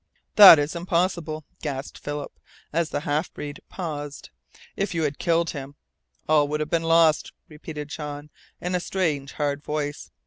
"That is impossible!" gasped Philip, as the half breed paused. "If you had killed him " "All would have been lost," repeated Jean, in a strange, hard voice.